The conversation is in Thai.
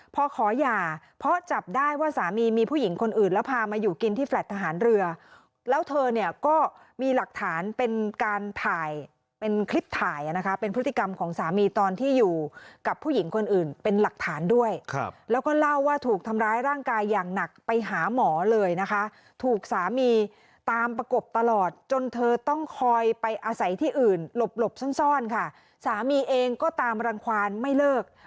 พอขอหย่าเพราะจับได้ว่าสามีมีผู้หญิงคนอื่นแล้วพามาอยู่กินที่แลต์ทหารเรือแล้วเธอเนี่ยก็มีหลักฐานเป็นการถ่ายเป็นคลิปถ่ายนะคะเป็นพฤติกรรมของสามีตอนที่อยู่กับผู้หญิงคนอื่นเป็นหลักฐานด้วยแล้วก็เล่าว่าถูกทำร้ายร่างกายอย่างหนักไปหาหมอเลยนะคะถูกสามีตามประกบตลอดจนเธอต้องคอยไปอาศัยที่อื่นหลบหลบซ่อนค่ะสามีเองก็ตามรังความไม่เลิก